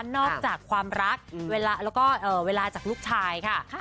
นอกจากความรักแล้วก็เวลาจากลูกชายค่ะ